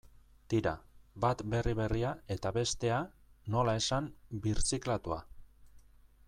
Tira, bat berri berria eta bestea, nola esan, birziklatua.